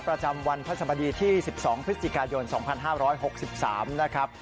ประจำวันพระสมดีที่สิบสองพฤศจิกายนสองพันห้าร้อยหกสิบสามนะครับ